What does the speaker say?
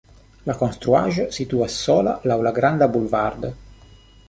La konstruaĵo situas sola laŭ la granda bulvardo.